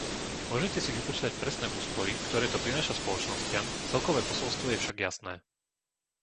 Môžete si vypočítať presné úspory, ktoré to prináša spoločnostiam, celkové posolstvo je však jasné.